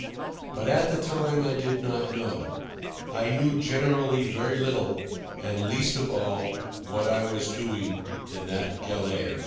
But at the time I did not know; I knew generally very little, and least of all what I was doing in that galère.